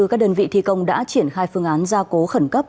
các đơn vị thi công đã triển khai phương án gia cố khẩn cấp